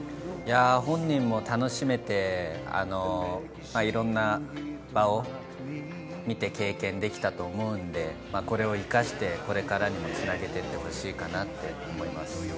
本人も楽しめて、いろんな場を見て経験できたと思うので、これを生かして、これからにもつなげていってほしいかなと思います。